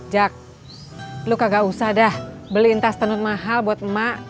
jak lo kagak usah dah beliin tas tenut mahal buat emak